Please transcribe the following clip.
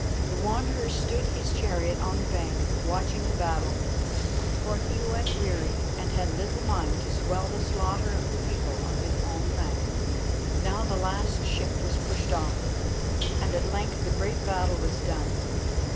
The Wanderer stood his chariot on the bank, watching the battle, for he was weary, and had little mind to swell the slaughter of the people of his own land. Now the last ship was pushed off, and at length the great battle was done.